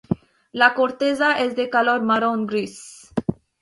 La corteza es de color marrón-gris.